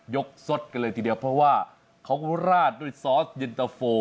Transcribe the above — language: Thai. สดกันเลยทีเดียวเพราะว่าเขาก็ราดด้วยซอสเย็นตะโฟ